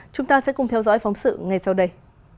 chúng ta sẽ cùng theo dõi phóng sự ngay sau đây